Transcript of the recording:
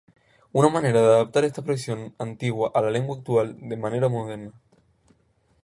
Una manera de adaptar esta expresión antigua a la lengua actual de manera moderna.